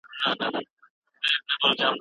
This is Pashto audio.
د مسودي لومړنۍ بڼه د استاد لخوا لیدل کېږي.